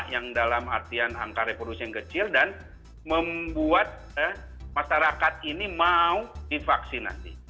yang dalam artian angka reproduksi yang kecil dan membuat masyarakat ini mau divaksinasi